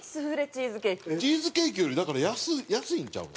チーズケーキよりだから安いんちゃう？